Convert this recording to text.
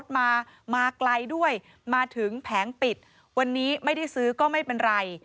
มาถึงแผงปิดวันนี้ไม่ได้ซื้อก็ไม่เป็นไร